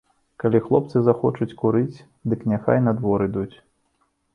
Калі хлопцы захочуць курыць, дык няхай на двор ідуць.